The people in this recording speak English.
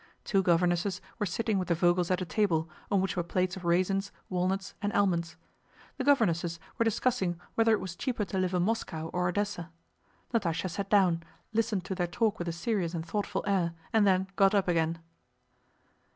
Two governesses were sitting with the Vogels at a table, on which were plates of raisins, walnuts, and almonds. The governesses were discussing whether it was cheaper to live in Moscow or Odessa. Natásha sat down, listened to their talk with a serious and thoughtful air, and then got up again.